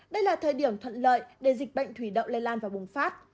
đây là thời điểm thuận lợi để dịch bệnh thủy đậu lây lan và bùng phát